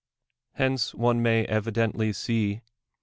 Hence one may evidently see.